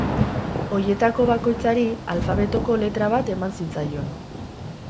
Horietako bakoitzari alfabetoko letra bat eman zitzaion.